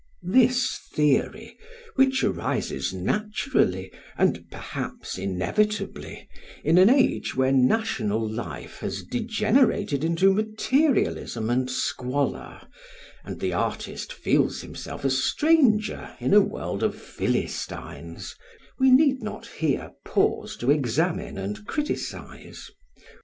This theory, which arises naturally and perhaps inevitably in an age where national life has degenerated into materialism and squalor, and the artist feels himself a stranger in a world of Philistines, we need not here pause to examine and criticise.